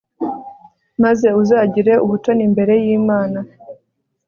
maze uzagire ubutoni imbere y'imana